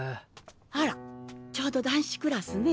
あらちょうど男子クラスね。